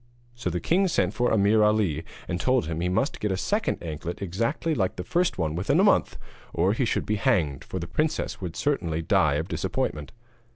So the king sent for Ameer Ali and told him that he must get a second anklet exactly like the first within a month, or he should be hanged, for the princess would certainly die of disappointment.